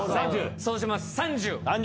そうします３０。